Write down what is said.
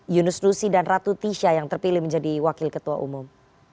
yunus nusi dan ratu tisha yang terpilih menjadi wakil ketua umum